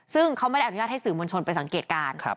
ซึ่งเขาไม่ได้อนุญาตให้สื่อมวลชนไปสังเกตการณ์